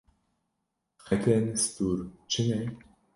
Xetên stûr çi ne?